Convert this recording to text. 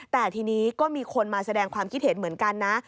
แต่ทีนี้ก็มีคนมาแสดงความคิดเห็นเหมือนกันนะ